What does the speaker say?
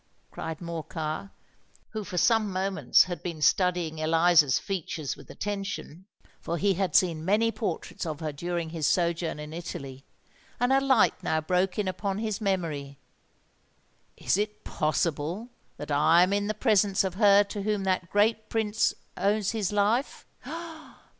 cried Morcar, who for some moments had been studying Eliza's features with attention—for he had seen many portraits of her during his sojourn in Italy, and a light now broke in upon his memory: "is it possible that I am in the presence of her to whom that great Prince owes his life?